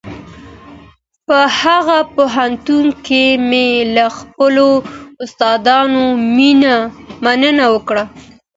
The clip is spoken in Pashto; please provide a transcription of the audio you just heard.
په دغه پوهنتون کي مي له خپلو استادانو مننه وکړه.